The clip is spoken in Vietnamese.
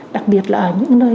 đặc biệt là ở những nơi